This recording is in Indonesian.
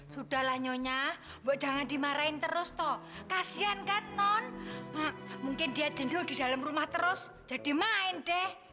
sudah lah nyonya bu jangan dimarahin terus toh kasihan kan non mungkin dia jendol di dalam rumah terus jadi main deh